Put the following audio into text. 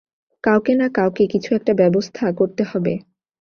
কাউকে না কাউকে কিছু একটা ব্যবস্থা করতে হবে।